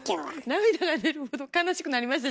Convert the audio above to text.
涙が出るほど悲しくなりました